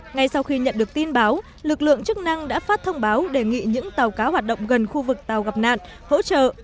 ngay sau khi nhận được tin báo lực lượng chức năng đã phát thông báo đề nghị những tàu cá hoạt động gần khu vực tàu gặp nạn hỗ trợ